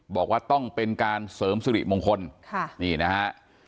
บอกว่าต้องเป็นการเสริมสิริมงคลค่ะนี่นะฮะ